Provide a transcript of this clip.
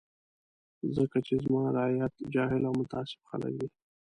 ځکه چې زما رعیت جاهل او متعصب خلک دي.